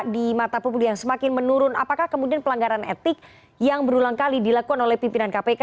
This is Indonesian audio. di mata publik yang semakin menurun apakah kemudian pelanggaran etik yang berulang kali dilakukan oleh pimpinan kpk